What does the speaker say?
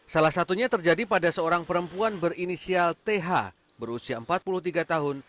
salah satunya terjadi pada seorang perempuan berinisial th berusia empat puluh tiga tahun